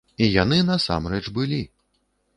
І яны насамрэч былі!